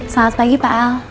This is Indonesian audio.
selamat pagi pak al